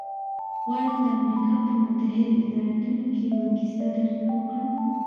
غواړم د امریکا په متحدو ایالتونو کې یوه کیسه درته وکړم